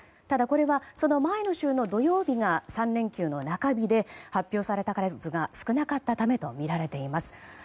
ただこれは、前の週の土曜日が３連休の中日で、発表された数が少なかったからとみられています。